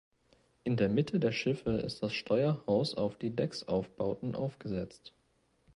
In der Mitte der Schiffe ist das Steuerhaus auf die Decksaufbauten aufgesetzt.